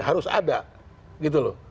harus ada gitu loh